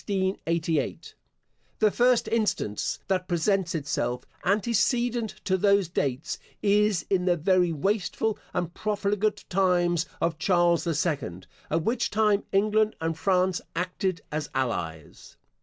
* The first instance that presents itself, antecedent to those dates, is in the very wasteful and profligate times of Charles the Second; at which time England and France acted as allies.